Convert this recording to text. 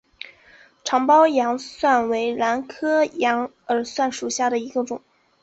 长苞羊耳蒜为兰科羊耳蒜属下的一个种。